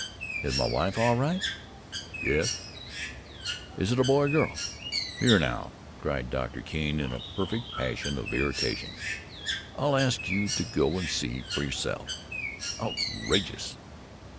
"Is my wife all right?" "Yes." "Is it a boy or a girl?" "Here now!" cried Doctor Keene in a perfect passion of irritation, "I'll ask you to go and see for yourself. Outrageous!"